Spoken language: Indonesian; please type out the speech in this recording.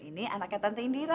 ini anaknya tante indira